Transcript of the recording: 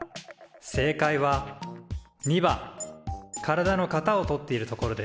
正解は②番体の型を取っているところです。